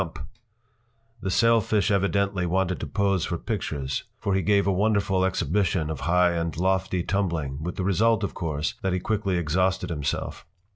” The sailfish evidently wanted to pose for pictures, for he gave a wonderful exhibition of high and lofty tumbling, with the result, of course, that he quickly exhausted himself.